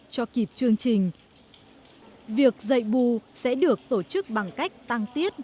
cho kịp chương trình việc dạy bù sẽ được tổ chức bằng cách tăng tiết